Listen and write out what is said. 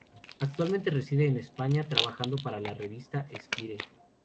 Actualmente reside en España trabajando para la revista Esquire.